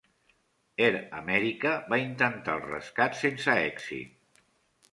Air America va intentar el rescat sense èxit.